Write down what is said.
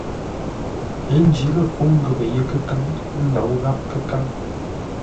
Ə́ njǐ lə̂ fúŋ ghəpə́ yé kə́káŋ, ə́ ndǒu gháp kə́káŋ.